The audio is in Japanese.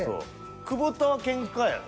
久保田はけんかやろ？